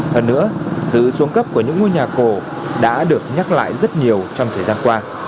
hơn nữa sự xuống cấp của những ngôi nhà cổ đã được nhắc lại rất nhiều trong thời gian qua